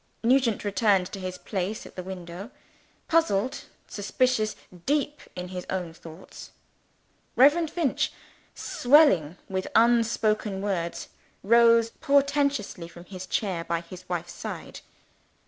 Nugent returned to his place at the window puzzled, suspicious, deep in his own thoughts. Reverend Finch, swelling with unspoken words, rose portentously from his chair by his wife's side.